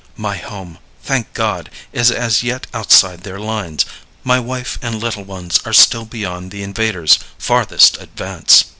My home, thank God, is as yet outside their lines; my wife and little ones are still beyond the invader's farthest advance."